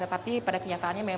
tapi pada kenyataannya memang